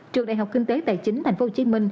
trường đại học kinh tế tài chính tp hcm